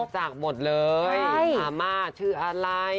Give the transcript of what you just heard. รู้จักหมดเลยอามาชื่ออะไร